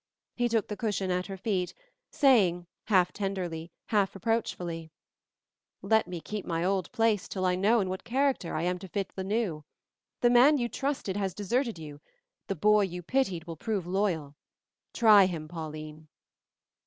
He took the cushion at her feet, saying, half tenderly, half reproachfully, "Let me keep my old place till I know in what character I am to fill the new. The man you trusted has deserted you; the boy you pitied will prove loyal. Try him, Pauline."